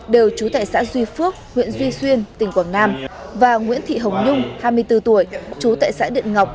đều trú tại xã duy phước huyện duy xuyên tỉnh quảng nam và nguyễn thị hồng nhung hai mươi bốn tuổi chú tại xã điện ngọc